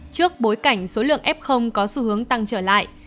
trước bối cảnh số lượng f có xu hướng tăng trở lại